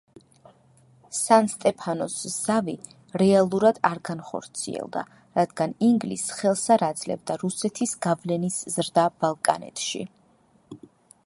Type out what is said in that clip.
სან-სტეფანოს ზავი რეალურად არ განხორციელდა, რადგან ინგლისს ხელს არ აძლევდა რუსეთის გავლენის ზრდა ბალკანეთში.